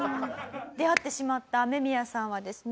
出会ってしまったアメミヤさんはですね